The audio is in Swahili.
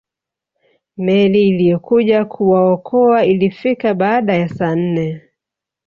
Meli iliyokuja kuwaokoa ilifika baada ya saa nne